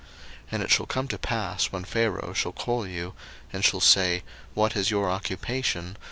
01:046:033 And it shall come to pass, when Pharaoh shall call you, and shall say, What is your occupation?